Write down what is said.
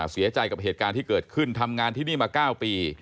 เสียใจกับเหตุการณ์ที่เกิดขึ้นทำงานที่นี่มา๙ปี